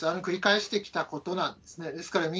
繰り返してきたことなんですね。